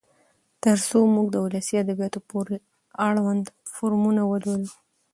تر څو موږ د ولسي ادبياتو پورې اړوند فورمونه ولولو.